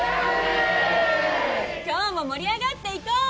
今日も盛り上がっていこう！